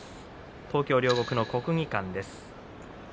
東京・両国の国技館です。